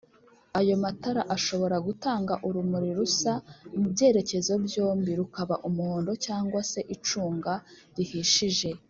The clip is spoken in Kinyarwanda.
ayo matara ashobora Gutanga urumuri rusa mubyerekezo byombi rukaba Umuhondo cg se icunga rihishije